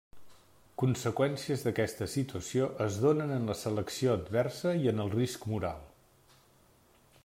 Conseqüències d'aquesta situació es donen en la selecció adversa i en el risc moral.